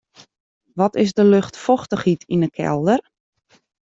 Wat is de luchtfochtichheid yn 'e kelder?